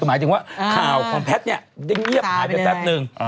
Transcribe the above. หมายถึงว่าข่าวของแพทย์เนี่ยได้เงียบหายไปแป๊บนึง